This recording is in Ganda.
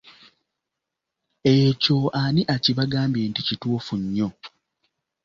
Ekyo ani akibagambye nti kituufu nnyo?